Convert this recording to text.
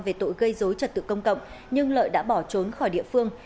về tội gây dối trật tự công cộng nhưng lợi đã bỏ trốn khỏi địa phương